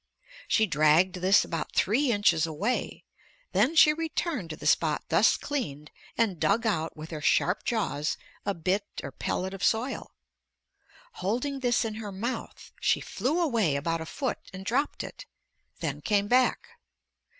She dragged this about three inches away. Then she returned to the spot thus cleaned and dug out with her sharp jaws a bit or pellet of soil. Holding this in her mouth, she flew away about a foot and dropped it. Then came back.